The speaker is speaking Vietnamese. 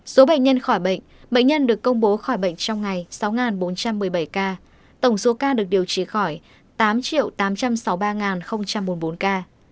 số bệnh nhân khỏi bệnh bệnh nhân được công bố khỏi bệnh trong ngày sáu bốn trăm một mươi bảy ca tổng số ca được điều trị khỏi tám tám trăm sáu mươi ba bốn mươi bốn ca